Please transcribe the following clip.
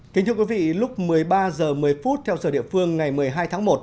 kính thưa quý vị lúc một mươi ba h một mươi theo sở địa phương ngày một mươi hai tháng một